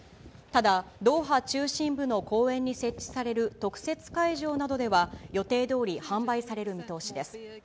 ただドーハ中心部の公園に設置される特設会場などでは、予定どおり、販売される見通しです。